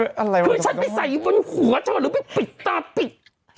คือฉันไปใส่บนหัวฉันหรือไปปิดตาปิด